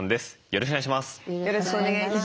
よろしくお願いします。